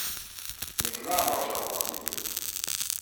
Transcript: Nekk leɛmer jerbeɣ tigi.